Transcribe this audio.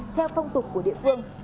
theo phong tục của địa phương